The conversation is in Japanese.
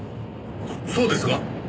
そうですが。